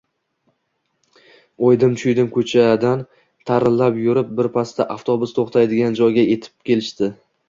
O`ydim-chuydim ko`chadan tarillab yurib, birpasda avtobus to`xtaydigan joyga etib kelishdi